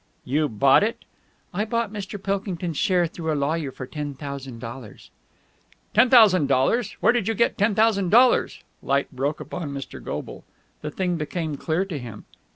"You bought it?" "I bought Mr. Pilkington's share through a lawyer for ten thousand dollars." "Ten thousand dollars! Where did you get ten thousand dollars?" Light broke upon Mr. Goble. The thing became clear to him.